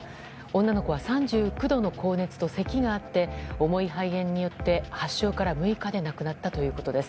女の子は３９度の高熱とせきがあって重い肺炎によって発症から６日で亡くなったということです。